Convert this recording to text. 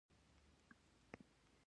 افغانستان په بدخشان باندې تکیه لري.